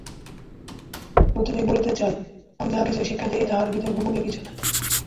প্রথমেই বলিতে চাই, আমি যাহা কিছু শিক্ষা দিই তাহার ভিতর গোপনীয় কিছুই নাই।